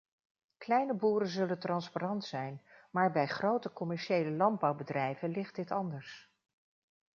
Kleine boeren zullen transparant zijn, maar bij grote commerciële landbouwbedrijven ligt dit anders.